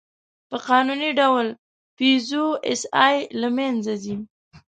په قانوني ډول «پيژو ایسآی» له منځه ځي.